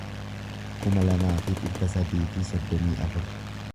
kuma lamaa fi dhibba sadii fi soddomii afur